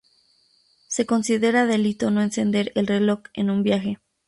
Se considera delito no encender el reloj en un viaje.